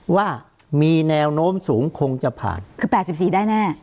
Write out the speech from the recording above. ว่ามีแนวโน้มสูงคงจะผ่านคือ๘๔ได้แน่